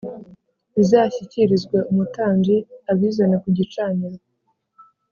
bizashyikirizwe umutambyi abizane ku gicaniro